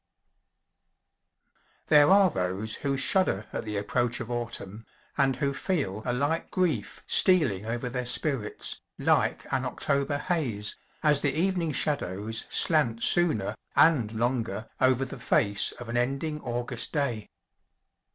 _ There are those who shudder at the approach of Autumn, and who feel a light grief stealing over their spirits, like an October haze, as the evening shadows slant sooner, and longer, over the face of an ending August day.